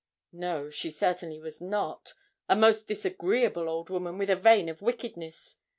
No, she certainly was not; a most disagreeable old woman, with a vein of wickedness.